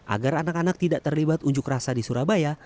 agar anak anak tidak terlibat unjuk rasa di surabaya